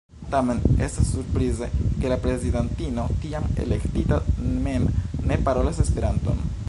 Tamen, estas surprize ke la prezidantino tiam elektita mem ne parolas Esperanton.